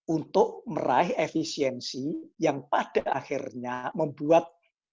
untuk meraih efisiensi yang pada akhirnya membuat